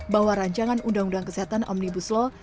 bahwa rancangan undang undang kesehatan omnibus law